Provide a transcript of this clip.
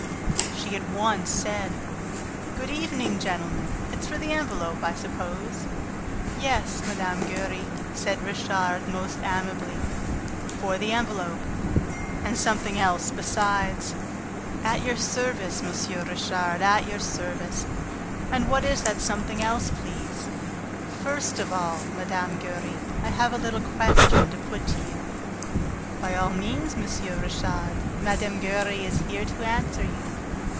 She at once said: "Good evening, gentlemen! It's for the envelope, I suppose?" "Yes, Mme. Giry," said Richard, most amiably. "For the envelope ... and something else besides." "At your service, M. Richard, at your service. And what is the something else, please?" "First of all, Mme. Giry, I have a little question to put to you." "By all means, M. Richard: Mme. Giry is here to answer you."